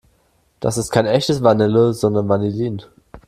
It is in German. Das ist kein echtes Vanille, sondern Vanillin.